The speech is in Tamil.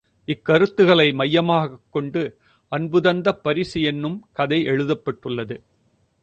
இக்கருத்துக்களை மையமாகக் கொண்டு அன்பு தந்த பரிசு என்னும் கதை எழுதப்பட்டுள்ளது.